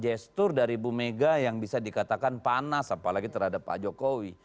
jesture dari bumega yang bisa dikatakan panas apalagi terhadap pak jokowi